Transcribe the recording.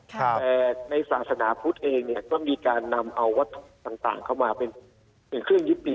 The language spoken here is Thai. แต่ในศาสนาพุทธเองเนี่ยก็มีการนำเอาวัตถุต่างเข้ามาเป็นเครื่องยิบดี